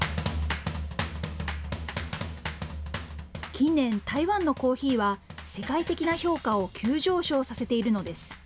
近年、台湾のコーヒーは世界的な評価を急上昇させているのです。